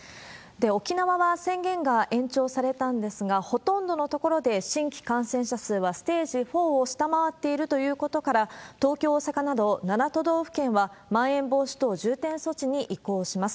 沖縄は宣言が延長されたんですが、ほとんどの所で新規感染者数はステージ４を下回っているということから、東京、大阪など７都道府県は、まん延防止等重点措置に移行します。